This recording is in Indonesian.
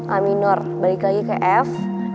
a minor balik lagi ke f